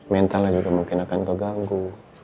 mentalnya juga mungkin akan keganggu